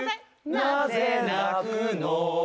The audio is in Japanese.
なぜなくの